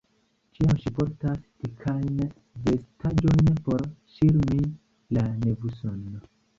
Ĉiam ŝi portas dikajn vestaĵojn por ŝirmi la nevuson.